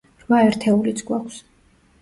რვა ერთეულიც გვაქვს.